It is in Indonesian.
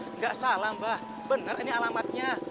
nggak salah mbah benar ini alamatnya